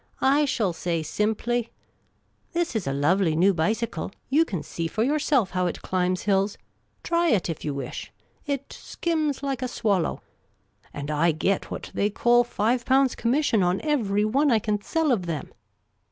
I shall say simply, ' This is a lovely new bicycle. You can see for yourself how it climbs hills. Try it, if you wish. It skims like a swal low. And I get what they call five pounds connnission on every one I can sell of them